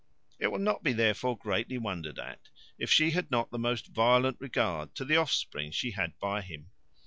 It will not be therefore greatly wondered at, if she had not the most violent regard to the offspring she had by him.